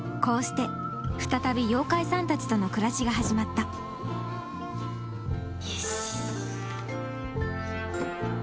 こうして再び妖怪さんたちとの暮らしが始まったよしっ！